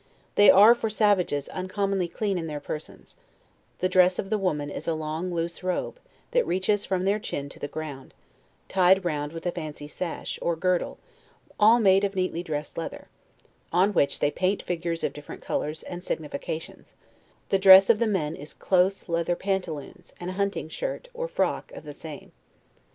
They are, for savages, uncommonly cleanly in their persons: the dress of the woman is a long loose robe, that reaches from their chin to the ground, tied round with a fancy sash, or girdle, all made' of neatly dressed leather, on which th'ey paint figures of different colours and significations: the dress of the men is close leather pantaloons, and a hunting shirt, or frock of the same.